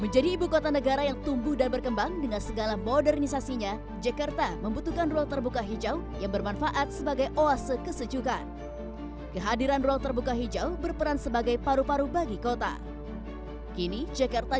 jangan lupa untuk berlangganan